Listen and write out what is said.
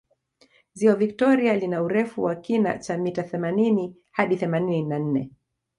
ziwa victoria lina urefu wa kina cha mita themanini hadi themanini na nne